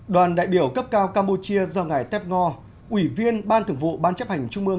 đoàn đại biểu cấp cao campuchia do ngài tép ngo ủy viên ban thực vụ ban chấp hành trung ương